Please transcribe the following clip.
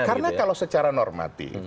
karena kalau secara normatif